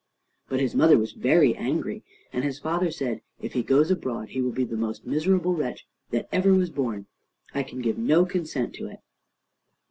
But his mother was very angry, and his father said, "If he goes abroad he will be the most miserable wretch that ever was born. I can give no consent to it."